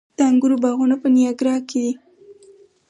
د انګورو باغونه په نیاګرا کې دي.